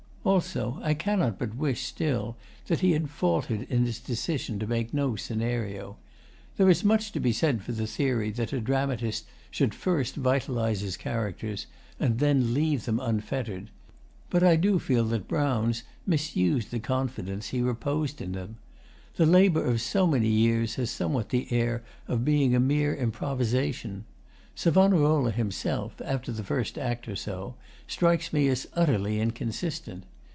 Also, I cannot but wish still that he had faltered in his decision to make no scenario. There is much to be said for the theory that a dramatist should first vitalise his characters and then leave them unfettered; but I do feel that Brown's misused the confidence he reposed in them. The labour of so many years has somewhat the air of being a mere improvisation. Savonarola himself, after the First Act or so, strikes me as utterly inconsistent.